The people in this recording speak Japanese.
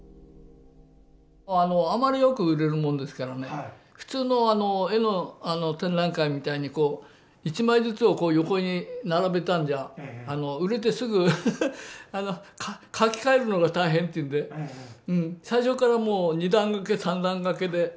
あまりよく売れるもんですからね普通の絵の展覧会みたいに一枚ずつをこう横に並べたんじゃ売れてすぐ掛け替えるのが大変っていうんで最初からもう２段掛け３段掛けで。